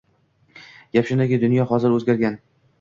Gap shundaki, dunyo hozir oʻzgargan.